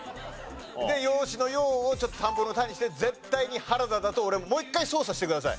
で用紙の「用」をちょっと田んぼの「田」にして絶対にハラダだとこれもう一回捜査してください。